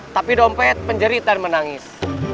tapi dompet penjerit dan menangis